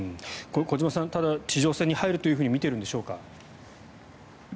小島さん地上戦に入るというふうに見ているんでしょうか。